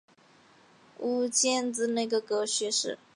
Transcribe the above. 五迁至内阁学士。